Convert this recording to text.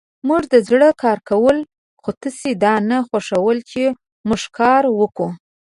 موژدزړه کارکول خوتاسی دانه خوښول چی موژکاروکوو